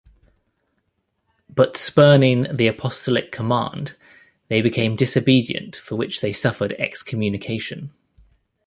But spurning the apostolic command, they became disobedient., for which they suffered excommunication.